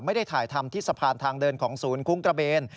ไม่ได้ถ่ายทำที่สะพานทางเดินของศูนย์คุ้งกระเบน